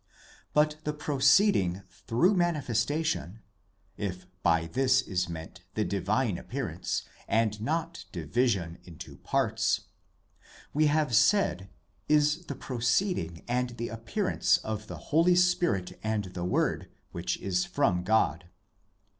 But the proceeding through manifestation (if by this is meant the divine appearance, and not division into parts), we have said, is the proceeding and the appearance of the Holy Spirit and the Word which is from God.